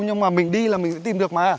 nhưng mà mình đi là mình sẽ tìm được mà ạ